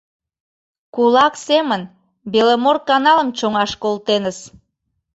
Кулак семын «Беломорканалым» чоҥаш колтеныс!